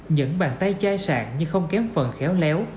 những bàn tay chai sạc như không kém phần khéo léo